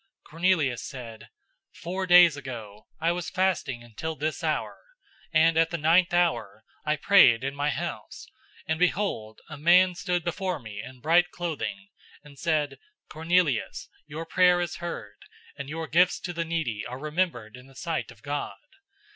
010:030 Cornelius said, "Four days ago, I was fasting until this hour, and at the ninth hour,{3:00 P. M.} I prayed in my house, and behold, a man stood before me in bright clothing, 010:031 and said, 'Cornelius, your prayer is heard, and your gifts to the needy are remembered in the sight of God.